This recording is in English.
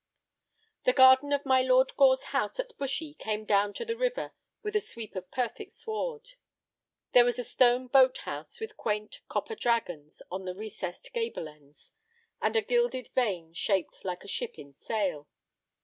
The garden of my Lord Gore's house at Bushy came down to the river with a sweep of perfect sward. There was a stone boat house with quaint copper dragons on the recessed gable ends, and a gilded vane shaped like a ship in sail.